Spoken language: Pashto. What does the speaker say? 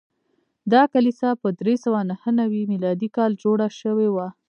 دا کلیسا په درې سوه نهه نوي میلادي کال کې جوړه شوې وه.